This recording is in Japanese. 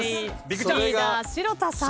リーダー城田さん。